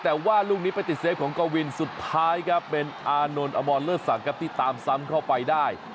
แต่ว่าลูกนี้ไปติดเซฟของกวินสุดท้ายครับเป็นอานนท์อมรเลิศสังครับที่ตามซ้ำเข้าไปได้